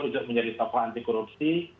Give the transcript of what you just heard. untuk menjadi tokoh anti korupsi